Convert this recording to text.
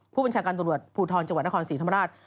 ผู้บัญชาการตำรวจภูทรจังหวัดนครศรีธรรมราช